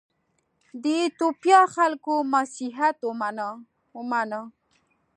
د ایتوپیا خلکو مسیحیت ومانه.